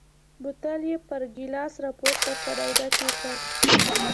بوتل یې پر ګیلاس را پورته کړ او ډک یې کړ.